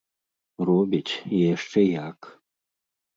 Робіць, і яшчэ як!